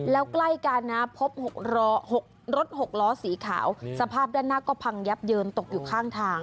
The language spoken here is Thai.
แล้วใกล้กันนะพบรถหกล้อสีขาวสภาพด้านหน้าก็พังยับเยินตกอยู่ข้างทาง